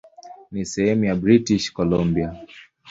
Ni sehemu ya British Columbia.